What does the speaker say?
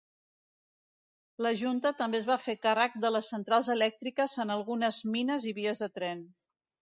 La junta també es va fer càrrec de les centrals elèctriques en algunes mines i vies de tren.